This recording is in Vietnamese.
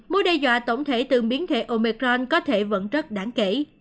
mối đe dọa tổng thể từ biến thể omicron có thể vẫn rất đáng kỹ